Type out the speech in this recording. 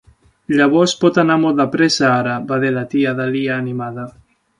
"Llavors pot anar molt de pressa ara," va dir la tia Dahlia animada.